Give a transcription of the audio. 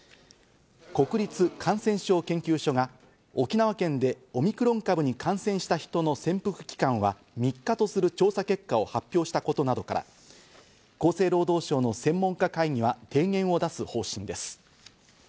国立感染症研究所が沖縄県でオミクロン株に感染した人の潜伏期間は３日とする調査結果を発表したことなどから厚生労働省の専門家会議は提言を出す方針です。